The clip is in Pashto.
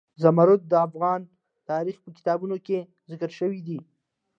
زمرد د افغان تاریخ په کتابونو کې ذکر شوی دي.